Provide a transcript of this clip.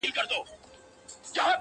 پوهنتون د میني ولوله بس یاره،